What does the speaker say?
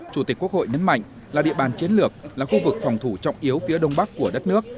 chủ tịch quốc hội nhấn mạnh là địa bàn chiến lược là khu vực phòng thủ trọng yếu phía đông bắc của đất nước